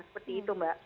seperti itu mbak